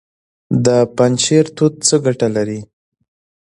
د پنجشیر توت څه ګټه لري؟